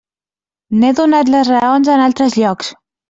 N'he donat les raons en altres llocs.